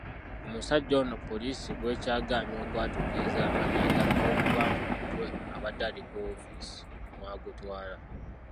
Omusajja ono poliisi gw'ekyagaanye okwatuukiriza amannya agambibwa okuba ng'omutwe abadde aliko wofiisi mw'agutwala.